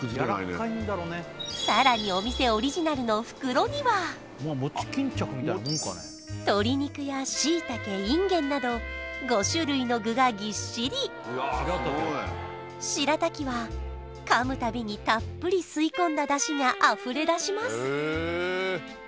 さらにお店オリジナルのふくろには鶏肉やしいたけインゲンなど５種類の具がぎっしりしらたきはかむたびにたっぷり吸い込んだ出汁があふれだします